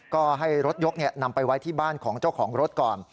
ก็ให้รถยกนำไปไว้ที่บ้านของเจ้าของรถก่อน